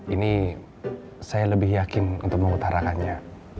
ini saya lebih yakin untuk mengutarakannya